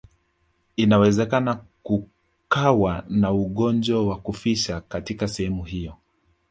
Inawezekana kukawa na ugonjwa wa kufisha katika sehemu hiyo